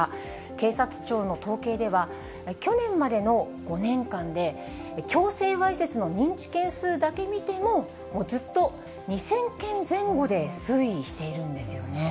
警察庁の統計では、去年までの５年間で強制わいせつの認知件数だけ見ても、もうずっと２０００件前後で推移しているんですよね。